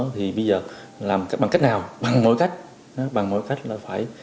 thì bây giờ làm bằng cách nào bằng mọi cách